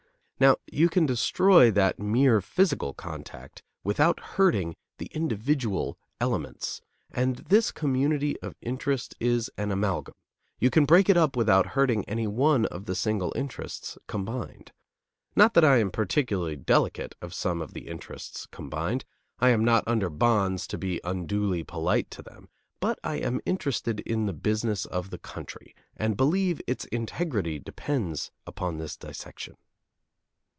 Now, you can destroy that mere physical contact without hurting the individual elements, and this community of interest is an amalgam; you can break it up without hurting any one of the single interests combined. Not that I am particularly delicate of some of the interests combined, I am not under bonds to be unduly polite to them, but I am interested in the business of the country, and believe its integrity depends upon this dissection.